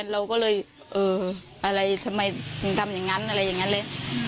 เราก็เลยเอออะไรทำไมถึงทำอย่างนั้นอะไรอย่างนั้นเลย